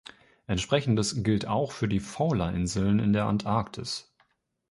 Entsprechendes gilt auch für die Fowler-Inseln in der Antarktis.